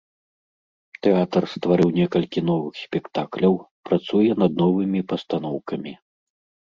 Тэатр стварыў некалькі новых спектакляў, працуе над новымі пастаноўкамі.